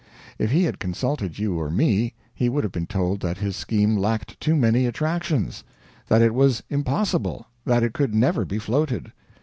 If he had consulted you or me he would have been told that his scheme lacked too many attractions; that it was impossible; that it could never be floated.